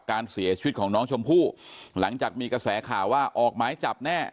การเสียชีวิตของน้องชมพู่หลังจากมีกระแสข่าวว่าออกหมายจับแน่